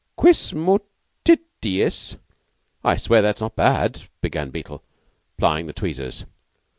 "Quis munditiis? I swear that's not bad," began Beetle, plying the tweezers.